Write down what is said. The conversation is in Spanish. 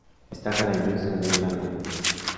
Destaca la industria del algodón.